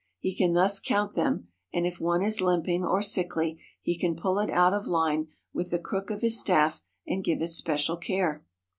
He can thus count them, and if one is limping or sickly he can pull it out of line with the crook of his staff and give it special care.